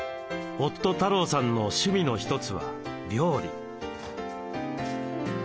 夫・太郎さんの趣味の一つは料理。